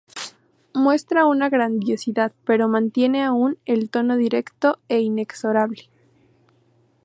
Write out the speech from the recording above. Muestra una grandiosidad, pero mantiene aún el tono directo e inexorable.